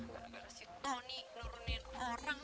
gara gara si tony nurunin orang